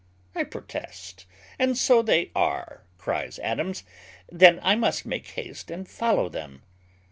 "I protest and so they are," cries Adams; "then I must make haste and follow them."